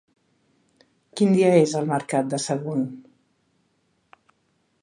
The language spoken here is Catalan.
Quin dia és el mercat de Sagunt?